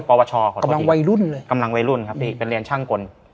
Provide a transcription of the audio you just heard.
ปวชขอโทษทีคำลังวัยรุ่นเลยเป็นเรียนช่างกล